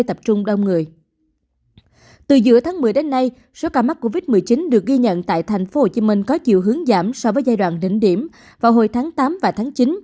từ giữa tháng một mươi đến nay số ca mắc covid một mươi chín được ghi nhận tại thành phố hồ chí minh có chiều hướng giảm so với giai đoạn đỉnh điểm vào hồi tháng tám và tháng chín